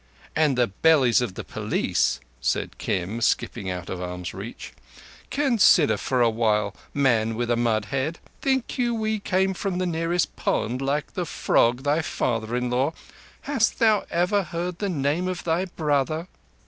"And the bellies of the police," said Kim, slipping out of arm's reach. "Consider for a while, man with a mud head. Think you we came from the nearest pond like the frog, thy father in law? Hast thou ever heard the name of thy brother?"